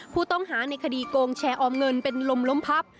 ผู้ต้องหาในคดีโกงแชร์ออมเงินเป็นลมล้มพับ